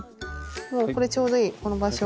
もうこれちょうどいいこの場所。